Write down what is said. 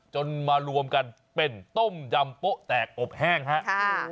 จนมารวมกันเป็นต้มยำโป๊ะแตกอบแห้งครับ